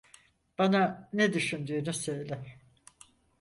Bana ne düşündüğünü söyle.